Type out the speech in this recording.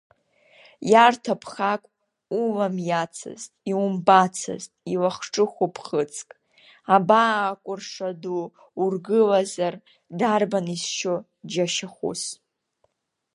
Иарҭа ԥхак уламиацызт, иумбацызт илахҿыху ԥхыӡк, абаа кәырша ду ургылазар, дарбан изшьо џьашьахәыс!